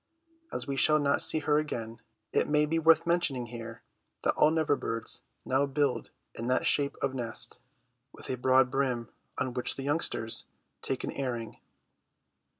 As we shall not see her again, it may be worth mentioning here that all Never birds now build in that shape of nest, with a broad brim on which the youngsters take an airing.